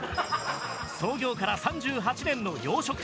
創業から３８年の洋食店。